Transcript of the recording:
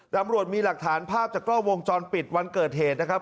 ตำรวจมีหลักฐานภาพจากกล้องวงจรปิดวันเกิดเหตุนะครับ